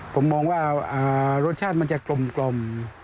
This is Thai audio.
ผมมองว่ารสชาติมันจะกลม